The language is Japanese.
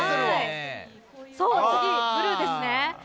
次、ブルーですね。